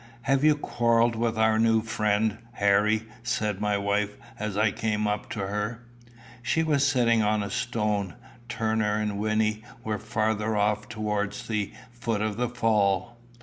"Have you quarrelled with our new friend, Harry?" said my wife, as I came up to her. She was sitting on a stone. Turner and Wynnie were farther off towards the foot of the fall.